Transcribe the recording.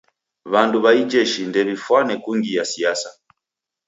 W'andu w'a ijeshi ndew'ifane kungia siasa.